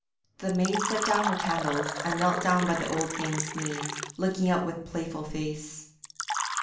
The maid set down her candles, and knelt down by the old dame's knee, looking up with playful face.